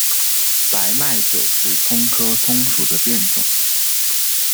白脉韭是葱科葱属的变种。